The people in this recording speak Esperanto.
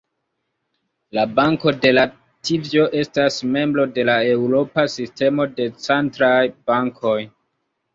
La Banko de Latvio estas membro de la Eŭropa Sistemo de Centraj Bankoj.